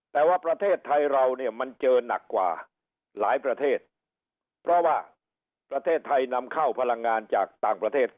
แต่ว่าประเทศไทยเราเนี่ยมันเจอหนักกว่าหลายประเทศเพราะว่าประเทศไทยนำเข้าพลังงานจากต่างประเทศ